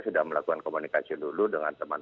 sudah melakukan komunikasi dulu dengan teman